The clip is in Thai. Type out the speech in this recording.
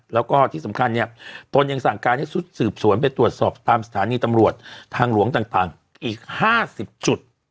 แล้วก็ที่สำคัญเนี่ยตนยังสั่งการให้ชุดสืบสวนไปตรวจสอบตามสถานีตำรวจทางหลวงต่างอีก๕๐จุด